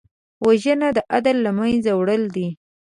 وژنه د عدل له منځه وړل دي